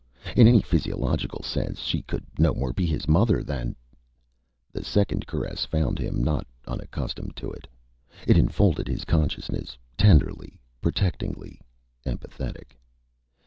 In any physiological sense, she could no more be his mother than The second caress found him not unaccustomed to it. It enfolded his consciousness, tenderly, protectingly, empathetic.